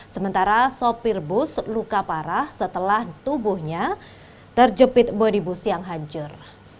sementara sopir bus luka parah setelah tubuhnya terjepit bodi bus yang hancur